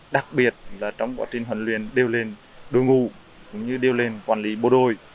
đặc biệt là trong quá trình huấn luyện đeo lên đội ngũ cũng như đeo lên quản lý bộ đôi